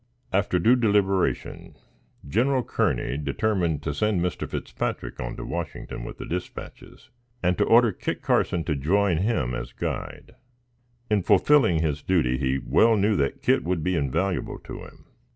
After due deliberation, Gen. Kearney determined to send Mr. Fitzpatrick on to Washington with the dispatches and to order Kit Carson to join him as guide. In fulfilling this duty, he well knew that Kit would be invaluable to him.